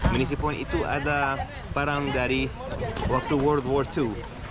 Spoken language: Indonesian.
minisi point itu ada barang dari waktu world war to